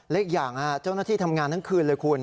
อีกอย่างเจ้าหน้าที่ทำงานทั้งคืนเลยคุณ